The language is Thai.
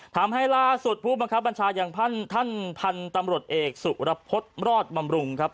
ถามให้ล่าส่วนผู้บัญชาอย่างพันธุ์ท่านพันธุ์ตำรวจเอกสุรพลดล์มรอดมำรุง